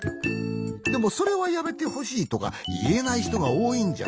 でもそれはやめてほしいとかいえないひとがおおいんじゃ。